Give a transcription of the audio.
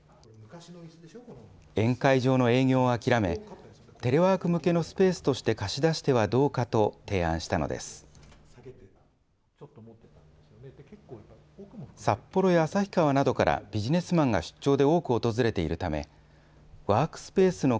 宴会場の営業を諦め、テレワーク向けのスペースとして貸し出してはどうかと提案したのです。